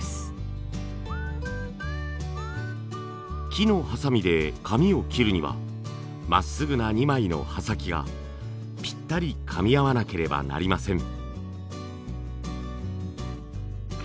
木のハサミで紙を切るにはまっすぐな２枚の刃先がぴったりかみ合わなければなりません。